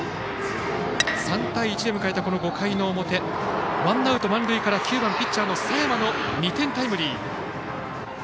３対１で迎えた５回の表ワンアウト満塁から９番ピッチャーの佐山の２点タイムリー。